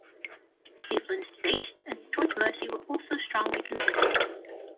Cleveland State and Detroit-Mercy were also strongly considered.